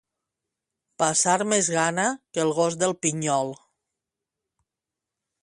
Passar més gana que el gos del Pinyol.